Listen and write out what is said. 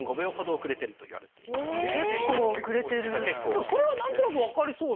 でもそれは何となく分かりそうな。